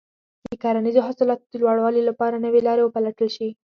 د کرنیزو حاصلاتو د لوړوالي لپاره نوې لارې وپلټل شي.